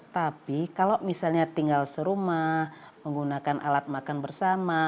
tapi kalau misalnya tinggal serumah menggunakan alat makan bersama